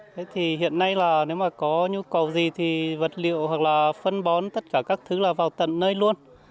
thế thì hiện nay là nếu mà có nhu cầu gì thì vật liệu hoặc là phân bón tất cả các thứ là vào tận nơi luôn